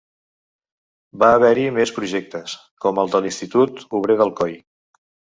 Va haver-hi més projectes, com el de l'Institut Obrer d'Alcoi.